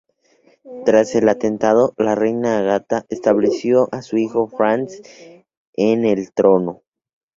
Tras el atentado, la reina Agatha estableció a su hijo Franz en el trono.